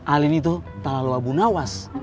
ali ini tuh tak lalu abu nawas